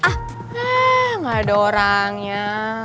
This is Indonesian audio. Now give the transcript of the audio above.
ah gak ada orangnya